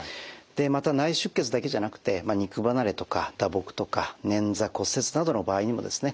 また内出血だけじゃなくて肉離れとか打撲とか捻挫骨折などの場合にもですね